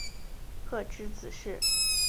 傕之子式。